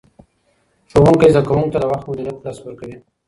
ښوونکی زدهکوونکي ته د وخت مدیریت درس ورکوي.